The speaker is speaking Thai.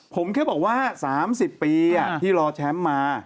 ผมแค่บอกว่า๓๐ปีที่รอแชมป์มา